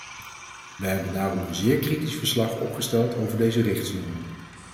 Wij hebben daarom een zeer kritisch verslag opgesteld over deze richtsnoeren.